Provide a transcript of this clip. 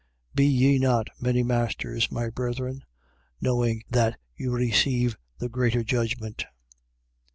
3:1. Be ye not many masters, my brethren, knowing that you receive the greater judgment.